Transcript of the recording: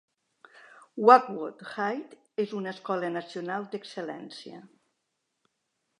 Oakwood High és una escola nacional d'excel·lència.